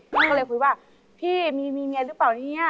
ก็เลยคุยว่าพี่มีเมียหรือเปล่าเนี่ย